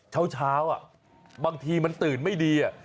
เช้าบางทีมันตื่นไม่ดี